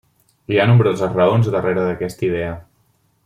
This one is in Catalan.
Hi ha nombroses raons darrere d'aquesta idea.